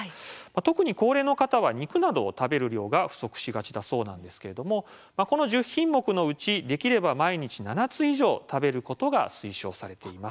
特に高齢の方は肉などを食べる量が不足しがちだそうなんですけれどもこの１０品目のうちできれば毎日７つ以上食べることが推奨されています。